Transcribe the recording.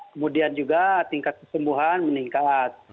kemudian juga tingkat kesembuhan meningkat